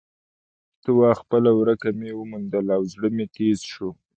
ته وا خپله ورکه مې وموندله او زړه مې تیز شو.